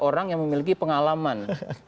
orang yang memiliki pengalaman